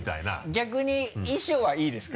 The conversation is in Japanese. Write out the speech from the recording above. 逆に衣装はいいですか？